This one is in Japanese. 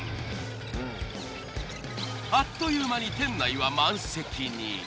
あっという間に店内は満席に。